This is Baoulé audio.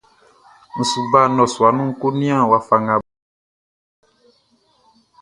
N su ba nnɔsua nun ń kó nían wafa nga baʼn tiʼn.